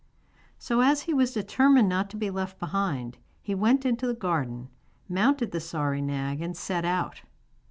So as he was determined not to be left behind, he went into the garden, mounted the sorry nag, and set out.